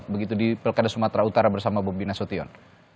begitu di pilkada sumatera utara bersama bobi nasution